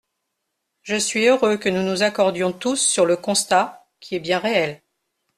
Je suis heureux que nous nous accordions tous sur le constat, qui est bien réel.